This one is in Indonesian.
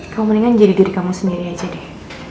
kamu mendingan jadi diri kamu sendiri aja deh